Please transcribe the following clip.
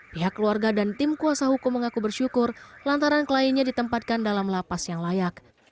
pihak keluarga dan tim kuasa hukum mengaku bersyukur lantaran kliennya ditempatkan dalam lapas yang layak